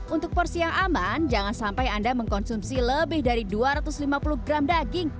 untuk porsi yang aman jangan sampai anda mengkonsumsi lebih dari dua ratus lima puluh gram daging